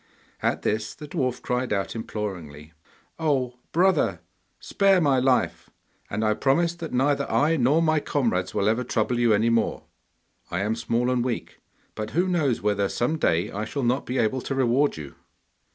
At this the dwarf cried out imploringly, 'Oh, brother! spare my life, and I promise that neither I nor my comrades will ever trouble you any more. I am small and weak, but who knows whether some day I shall not be able to reward you.